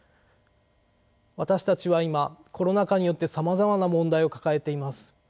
私たちは今コロナ禍によってさまざまな問題を抱えています。